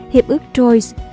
hiệp ước troyes